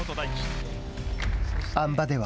あん馬では。